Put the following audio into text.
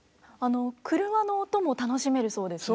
廓の音も楽しめるそうですね。